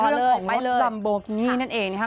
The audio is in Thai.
เรื่องของรถลำโบพิษนี่นั่นเองค่ะ